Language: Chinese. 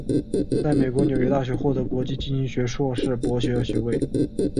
在美国纽约大学获得国际经营学硕士博士学位。